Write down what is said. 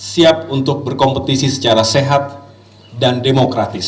siap untuk berkompetisi secara sehat dan demokratis